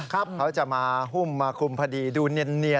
เขาจะมาหุ้มมาคุมพอดีดูเนียน